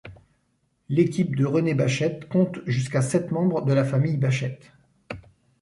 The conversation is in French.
L'équipe de René Baschet compte jusqu'à sept membres de la famille Baschet.